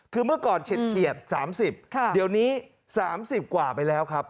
คือเมื่อก่อนเฉียด๓๐เดี๋ยวนี้๓๐กว่าไปแล้วครับ